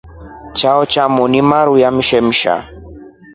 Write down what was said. Chao chamo ni maru ya shemsa.